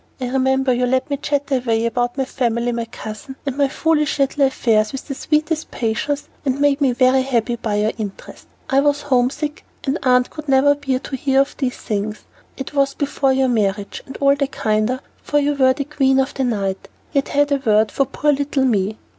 I remember you let me chatter away about my family, my cousin, and my foolish little affairs with the sweetest patience, and made me very happy by your interest. I was homesick, and Aunt could never bear to hear of those things. It was before your marriage, and all the kinder, for you were the queen of the night, yet had a word for poor little me."